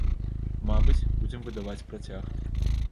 Мабыць, будзем выдаваць працяг.